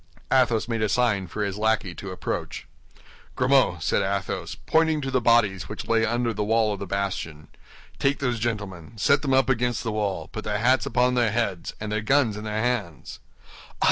Athos made a sign for his lackey to approach. "Grimaud," said Athos, pointing to the bodies which lay under the wall of the bastion, "take those gentlemen, set them up against the wall, put their hats upon their heads, and their guns in their hands."